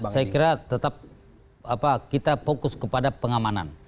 saya kira tetap kita fokus kepada pengamanan